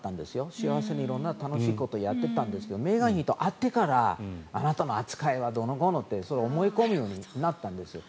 幸せに色んな楽しいことをやっていたんですがメーガン妃と会ってからあなたの扱いはどうのこうのって思い込むようになったんです。